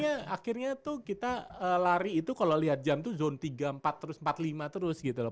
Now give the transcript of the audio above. akhirnya tuh kita lari itu kalau lihat jam tuh zone tiga empat terus empat puluh lima terus gitu loh